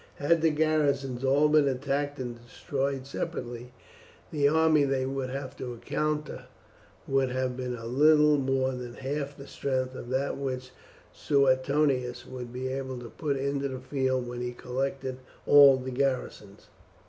Had the garrisons all been attacked and destroyed separately, the army they would have to encounter would have been a little more than half the strength of that which Suetonius would be able to put into the field when he collected all the garrisons.